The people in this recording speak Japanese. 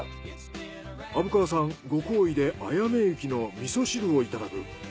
虻川さんご厚意であやめ雪の味噌汁をいただく。